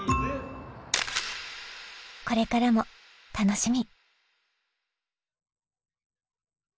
これからも楽しみ！